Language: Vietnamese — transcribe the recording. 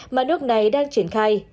mà nước này đang triển khai